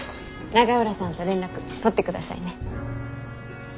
永浦さんと連絡取ってくださいね。